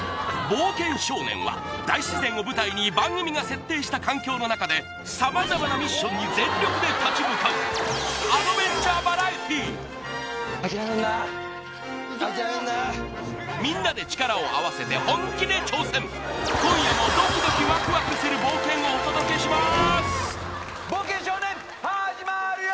冒険少年は大自然を舞台に番組が設定した環境の中で様々なミッションに全力で立ち向かうみんなで力を合わせて本気で挑戦今夜もドキドキ・ワクワクする冒険をお届けします